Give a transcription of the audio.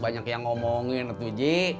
banyak yang ngomongin itu ji